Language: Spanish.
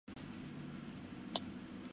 Identificador único del datagrama.